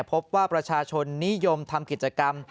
พบว่าประชาชนนิยมทำกิจกรรม